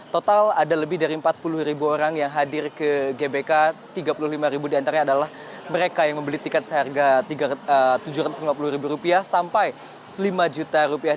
total ada lebih dari empat puluh ribu orang yang hadir ke gbk tiga puluh lima ribu diantara adalah mereka yang membeli tiket seharga tujuh ratus lima puluh ribu rupiah sampai lima juta rupiah